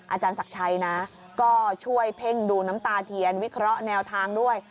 อาจารย์ศักดิ์ชัยนะก็ช่วยเพ่งดูน้ำตาเทียนวิเคราะห์แนวทางด้วย